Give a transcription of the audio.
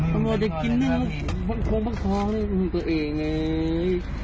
ตัวโหลดจะกินเนื้อโค้งฟักทองนี่ตัวเองเลย